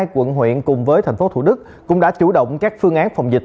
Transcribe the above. hai mươi hai quận huyện cùng với thành phố thủ đức cũng đã chủ động các phương án phòng dịch